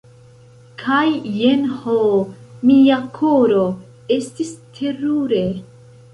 Kaj jen ho, mia koro, estis terure.